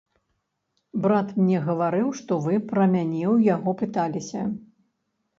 Брат мне гаварыў, што вы пра мяне ў яго пыталіся.